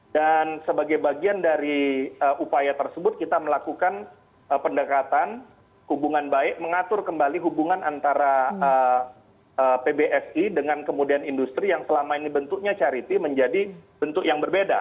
dan sebagai bagian dari upaya tersebut kita melakukan pendekatan hubungan baik mengatur kembali hubungan antara pbsi dengan kemudian industri yang selama ini bentuknya cariti menjadi bentuk yang berbeda